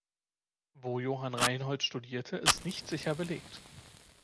Wo Johann Reinhold studierte, ist nicht sicher belegt.